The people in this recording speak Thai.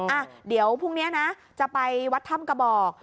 อ่ะเดี๋ยวพรุ่งนี้นะจะไปวัดถ้ำกระบอก